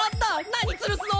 何つるすの？